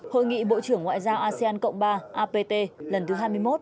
hội nghị bộ trưởng ngoại giao asean cộng ba apt lần thứ hai mươi một